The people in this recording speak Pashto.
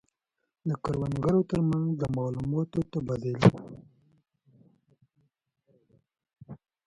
د کروندګرو ترمنځ د معلوماتو تبادله د کرنې په پرمختګ کې ګټوره ده.